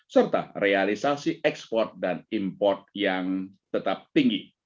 serta realisasi ekspor dan import yang tetap tinggi